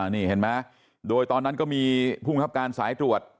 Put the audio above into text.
นี่เห็นไหมโดยตอนนั้นก็มีภูมิครับการสายตรวจ